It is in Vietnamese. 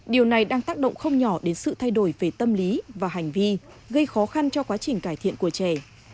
điều này đang tác động không nhỏ đến sự thay đổi về tâm lý và hành vi gây khó khăn cho quá trình cải thiện của trẻ